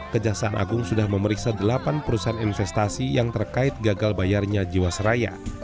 kejaksaan agung sudah memeriksa delapan perusahaan investasi yang terkait gagal bayarnya jiwasraya